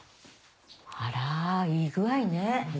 あらいい具合ね。